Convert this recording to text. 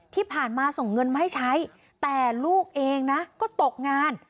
ที่ผ่านมาส่งเงินมาให้ใช้แต่ลูกเองนะก็ตกงาน